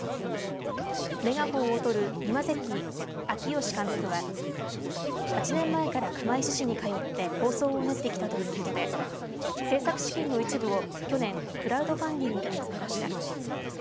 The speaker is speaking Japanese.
メガホンをとる今関あきよし監督は８年前から釜石市に通って構想を練ってきたということで制作資金の一部を去年、クラウドファンディングで集めました。